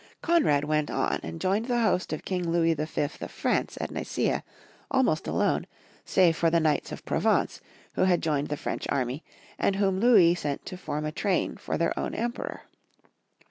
Konrad went on and joined the host of King Louis V. of France at Nicea, almost alone, save for the knights from Provence, who had joined the French army, and whom Louis sent to form a train for their own Em peror.